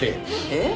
えっ？